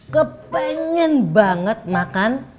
kepengin banget makan